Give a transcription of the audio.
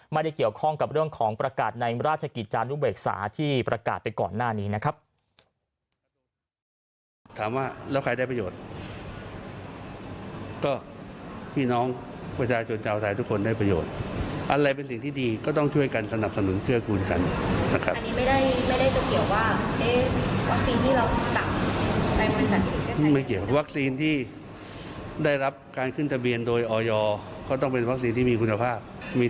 ไม่ได้เกี่ยวข้องกับเรื่องของประกาศในราชกิจจานุเบกษาที่ประกาศไปก่อนหน้านี้นะครับ